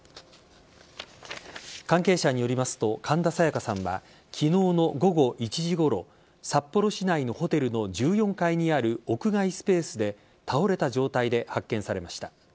関係者によりますと神田沙也加さんは昨日の午後１時ごろ札幌市内のホテルの１４階にある屋外スペースで倒れた状態で発見されました。